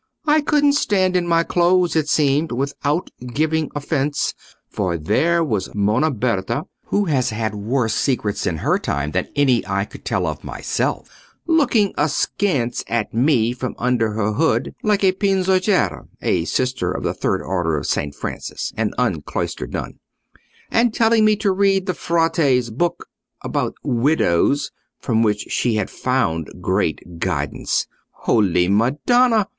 I couldn't stand in my clothes, it seemed, without giving offence; for there was Monna Berta, who has had worse secrets in her time than any I could tell of myself, looking askance at me from under her hood like a pinzochera, (a Sister of the Third Order of Saint Francis: an uncloistered nun) and telling me to read the Frate's book about widows, from which she had found great guidance. Holy Madonna!